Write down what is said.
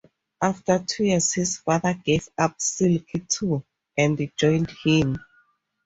After two years, his father gave up silk, too, and joined him.